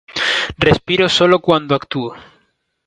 Respiro solo cuándo actúo.